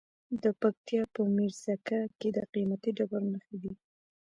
د پکتیا په میرزکه کې د قیمتي ډبرو نښې دي.